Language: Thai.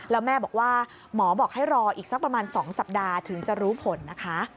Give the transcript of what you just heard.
แล้วแม่บอกว่าหมอบอกให้รออีกสักประมาณ๒สัปดาห์ถึงจะรู้ผลนะคะ